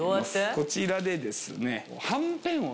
こちらでですね